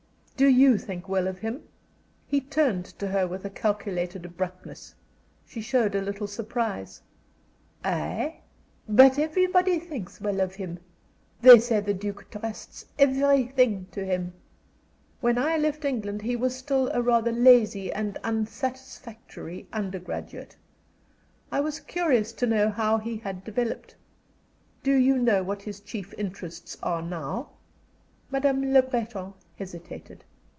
"Do you think well of him?" He turned to her with a calculated abruptness. She showed a little surprise. "I? But everybody thinks well of him. They say the Duke trusts everything to him." "When I left England he was still a rather lazy and unsatisfactory undergraduate. I was curious to know how he had developed. Do you know what his chief interests are now?" Mademoiselle Le Breton hesitated.